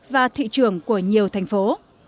và thị trường của nhiều thành phố